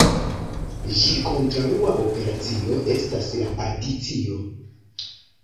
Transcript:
Ĝia kontraŭa operacio estas la adicio.